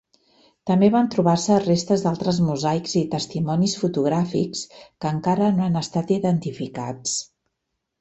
També van trobar-se restes d’altres mosaics i testimonis fotogràfics que encara no han estat identificats.